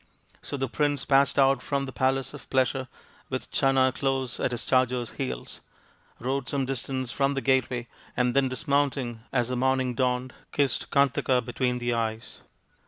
So the prince passed out from the palace of pleasure with Channa close at his charger's heels, rode some distance from the gateway, and then dis mounting as the morning dawned, kissed Kantaka between the eyes.